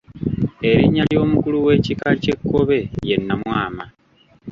Erinnya ly’omukulu w’ekika ky’Ekkobe ye Nnamwama.